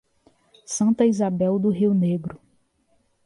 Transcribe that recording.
Santa Isabel do Rio Negro